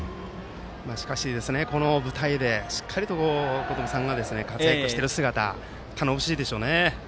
しかし、この舞台でしっかりとお子さんが活躍している姿頼もしいでしょうね。